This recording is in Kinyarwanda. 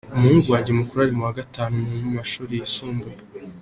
umuhungu wanjye mukuru ari mu wa gatanu mu mashuri yisumbuye.